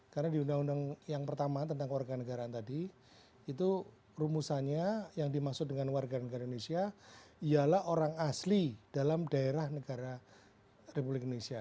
karena di undang undang yang pertama tentang warga negaraan tadi itu rumusannya yang dimaksud dengan warga negara indonesia ialah orang asli dalam daerah negara republik indonesia